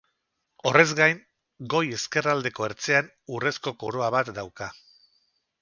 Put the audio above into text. Horrez gain, goi-ezkerraldeko ertzean urrezko koroa bat dauka.